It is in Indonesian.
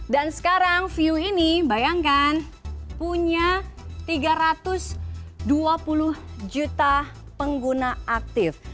dan sekarang vue ini bayangkan punya tiga ratus dua puluh juta pengguna aktif